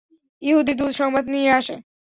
ইহুদী দূত সংবাদ নিয়ে আসে।